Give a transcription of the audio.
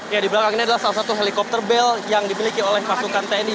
ya di belakang ini adalah salah satu helikopter bel yang dimiliki oleh pasukan tni